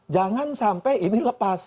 jangan sampai ini lepas